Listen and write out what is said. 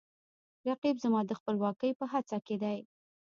رقیب زما د خپلواکۍ په هڅه کې دی